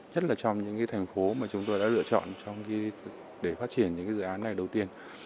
nhất là trong những thành phố mà chúng tôi đã lựa chọn để phát triển những dự án này đầu tiên